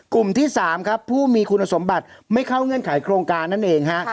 กลุ่มที่๓ครับผู้มีคุณสมบัติไม่เข้าเงื่อนไขโครงการนั่นเองฮะ